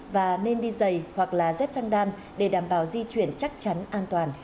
và nên đi dày hoặc là dép xăng đan để đảm bảo di chuyển chắc chắn an toàn